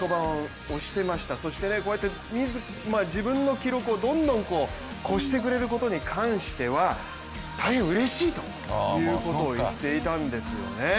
そしてこうやって自分の記録をどんどん超してくれることに関しては大変うれしいということを言っていたんですよね。